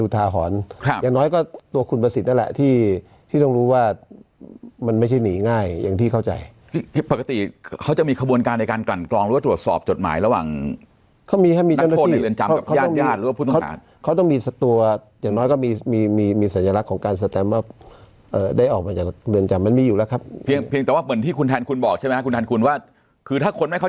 ตรวจส่งรู้ว่ามันไม่ใช่หนีง่ายอย่างที่เข้าใจปกติเขาจะมีขบวนการในการกันกรองหรือว่าตรวจสอบจดหมายระหว่างเขามีให้มีนักโทนในเรือนจำกับญาติหรือว่าผู้ต้องการเขาต้องมีสัตวอย่างน้อยก็มีมีมีสัญลักษณ์ของการแสดงว่าเอ่อได้ออกมาจากเรือนจำมันไม่อยู่แล้วครับเพียงเพียงแต่ว่าเหมือนที่คุณแ